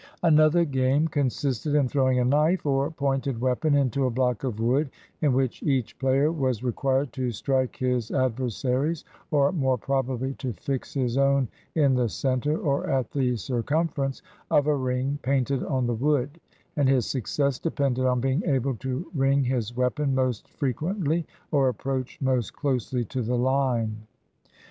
Another game consisted in throwing a knife, or pointed weapon, into a block of wood, in which each player was required to strike his adversary's, or more probably to fix his own in the center, or at the circimifer ence, of a ring painted on the wood; and his success depended on being able to ring his weapon most fre quently, or approach most closely to the line.